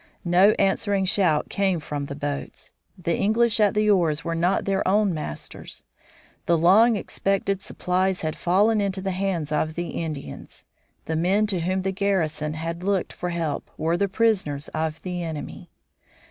No answering shout came from the boats. The English at the oars were not their own masters. The long expected supplies had fallen into the hands of the Indians. The men to whom the garrison had looked for help were the prisoners of the enemy.